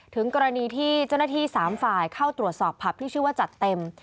ถึงกรณีที่เจ้าหน้าที่๓ฝ่ายเข้าตรวจสอบผับที่ชื่อว่าจัดเต็ม